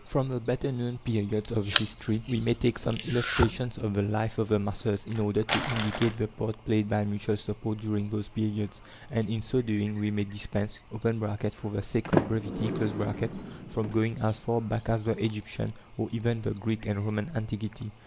From the better known periods of history we may take some illustrations of the life of the masses, in order to indicate the part played by mutual support during those periods; and, in so doing, we may dispense (for the sake of brevity) from going as far back as the Egyptian, or even the Greek and Roman antiquity.